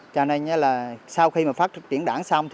cho nên sau khi phát triển đảng xong